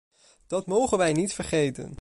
Dat mogen wij niet vergeten.